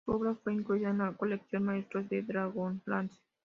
Su obra fue incluida en la colección "Maestros de" Dragonlance.